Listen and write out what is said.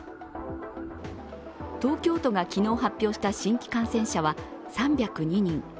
東京都が昨日発表した新規感染者は３０２人。